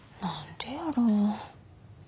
何でやろう。